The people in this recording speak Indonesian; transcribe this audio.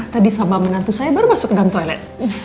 tadi sama menantu saya baru masuk ke dalam toilet